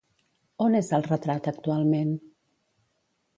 On és el retrat, actualment?